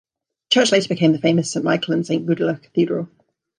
The church later became the famous Saint Michael and Saint Gudula Cathedral.